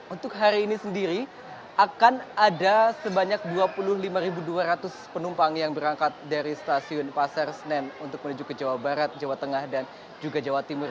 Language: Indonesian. untuk hari ini sendiri akan ada sebanyak dua puluh lima dua ratus penumpang yang berangkat dari stasiun pasar senen untuk menuju ke jawa barat jawa tengah dan juga jawa timur